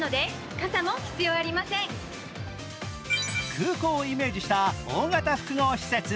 空港をイメージした大型複合施設。